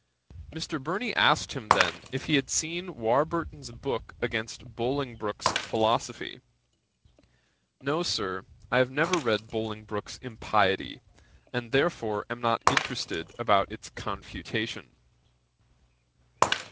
1758.] Mr. Burney asked him then if he had seen Warburton's book against Bolingbroke's Philosophy? "No, Sir, I have never read Bolingbroke's impiety, and therefore am not interested about its confutation."'